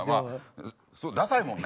ダサいもんね。